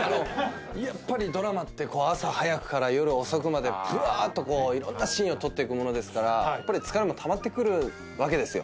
やっぱりドラマって朝早くから夜遅くまでぶわーっといろんなシーンを撮っていくものですから疲れもたまってくるわけですよ。